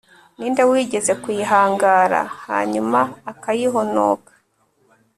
ni nde wigeze kuyihangara, hanyuma akayihonoka